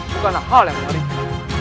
bukanlah hal yang mengerikan